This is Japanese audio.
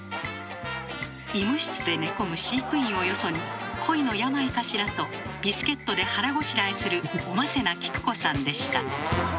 医務室で寝込む飼育員をよそに恋の病かしらとビスケットで腹ごしらえするおませなキク子さんでした。